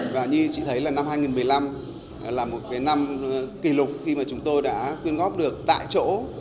và như chị thấy là năm hai nghìn một mươi năm là một cái năm kỷ lục khi mà chúng tôi đã quyên góp được tại chỗ